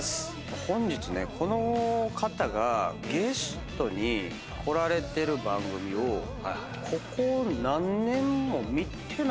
本日ねこの方がゲストに来られてる番組をここ何年も見てない。